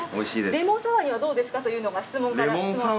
レモンサワーにはどうですかという質問が。